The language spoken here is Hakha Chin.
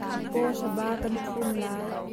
Kawhra ba kan phu lai.